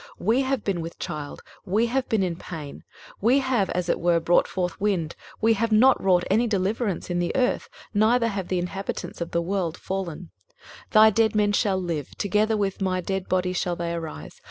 23:026:018 We have been with child, we have been in pain, we have as it were brought forth wind; we have not wrought any deliverance in the earth; neither have the inhabitants of the world fallen. 23:026:019 Thy dead men shall live, together with my dead body shall they arise.